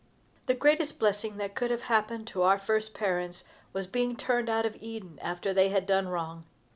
The greatest blessing that could have happened to our first parents was being turned out of Eden after they had done wrong.